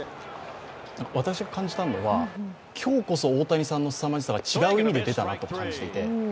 私が感じたのは、今日こそ大谷さんのすさまじさが違う意味で出たなと感じていて。